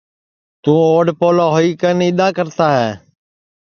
توں اوڈؔ پولا ہوئی کن اِدؔا کرتا ہے